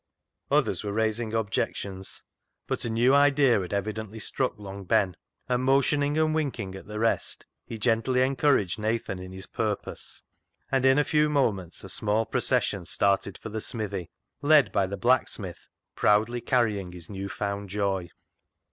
Others were raising objections, but a new idea had evidently struck Long Ben, and. TATTY ENTWISTLE'S RETURN 117 motioning and winking at the rest, he gently encouraged Nathan in his purpose, and in a few moments a small procession started for the smithy, led by the blacksmith proudly carrying his new found joy.